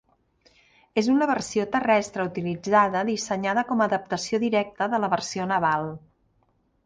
És una versió terrestre utilitzada dissenyada com adaptació directa de la versió naval.